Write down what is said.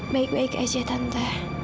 baik baik saja tante